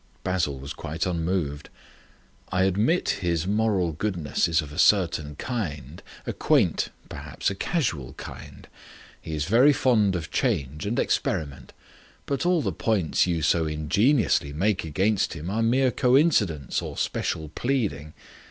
Basil was quite unmoved. "I admit his moral goodness is of a certain kind, a quaint, perhaps a casual kind. He is very fond of change and experiment. But all the points you so ingeniously make against him are mere coincidence or special pleading.